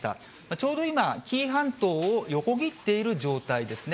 ちょうど今、紀伊半島を横切っている状態ですね。